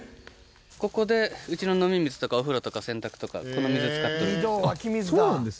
ここでうちの飲み水とかお風呂とか洗濯とかこの水を使ってるんですよ。